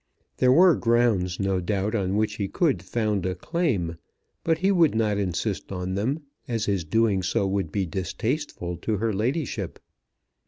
There were grounds no doubt on which he could found a claim, but he would not insist on them, as his doing so would be distasteful to her ladyship.